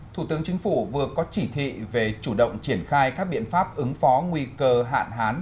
thủ tướng chính phủ vừa có chỉ thị về chủ động triển khai các biện pháp ứng phó nguy cơ hạn hán